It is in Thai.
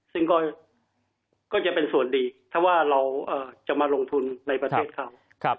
ซึ่งก็จะเป็นส่วนดีถ้าว่าเราจะมาลงทุนในประเทศเขา